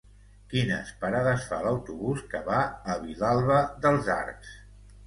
Quines parades fa l'autobús que va a Vilalba dels Arcs?